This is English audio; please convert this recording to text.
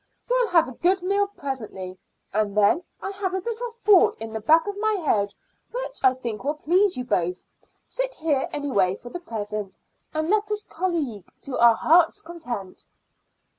We'll have a good meal presently, and then I have a bit of a thought in the back of my head which I think will please you both. Sit here anyway for the present, and let us collogue to our hearts' content."